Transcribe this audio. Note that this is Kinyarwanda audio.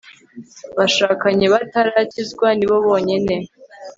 bashakanye batarakizwa ni bo bonyine